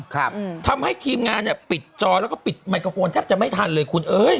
ครับอืมทำให้ทีมงานเนี้ยปิดจอแล้วก็ปิดไมโครโฟนแทบจะไม่ทันเลยคุณเอ้ย